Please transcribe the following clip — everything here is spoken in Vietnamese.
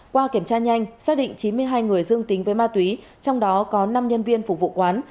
qua kiểm tra nhanh xác định chín mươi hai người dương tính với ma túy trong đó có năm nhân viên phục vụ quán